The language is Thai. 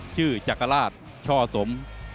ชื่อจักรราชช่อสม